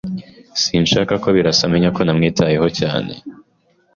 Sinshaka ko Birasa amenya ko namwitayeho cyane.